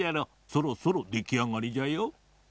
そろそろできあがりじゃよ。